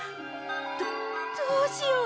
どどうしよう！